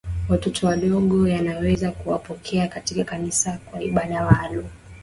watoto wadogo Yanaweza kuwapokea katika Kanisa kwa ibada maalumu